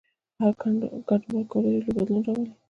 هر ګډونوال کولای شي لوی بدلون راولي.